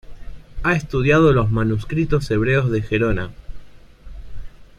Ha estudiado los manuscritos hebreos de Gerona.